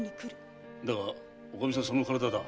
おかみさんはその体だ。